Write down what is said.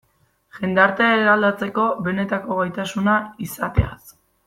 Jendartea eraldatzeko benetako gaitasuna izateaz.